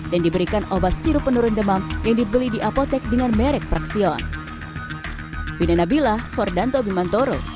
dan diberikan obat sirup penurun demam yang dibeli di apotek dengan merek praxion